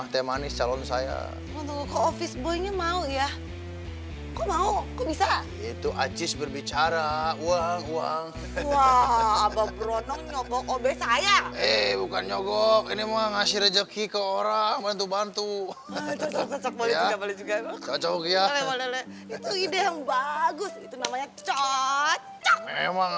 itu bantu bantu boleh juga boleh juga cocok ya itu ide yang bagus itu namanya cocok memang